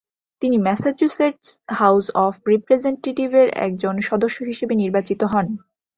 তিনি Massachusetts House of রিপ্রেজেন্টেটিভের একজন সদস্য হিসেবে নির্বাচিত হন।